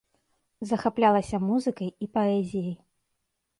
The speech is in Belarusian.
Захаплялася музыкай і паэзіяй.